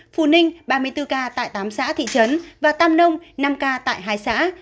phú ninh ba mươi bốn ca tại tám xã thị trấn và tam nông năm ca tại hai xã